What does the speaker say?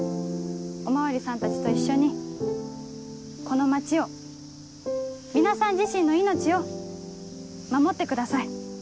お巡りさんたちと一緒にこの街を皆さん自身の命を守ってください。